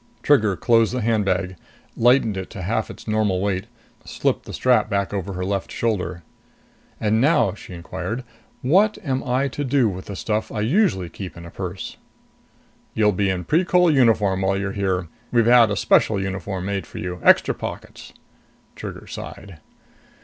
Trigger closed the handbag, lightened it to half its normal weight, slipped the strap back over her left shoulder. "And now," she inquired, "what am I to do with the stuff I usually keep in a purse?" "You'll be in Precol uniform while you're here. We've had a special uniform made for you. Extra pockets." Trigger sighed.